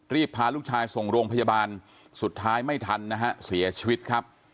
พาลูกชายส่งโรงพยาบาลสุดท้ายไม่ทันนะฮะเสียชีวิตครับ